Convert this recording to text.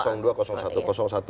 ini bukan soal dua satu